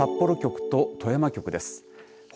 札幌局と富山局です。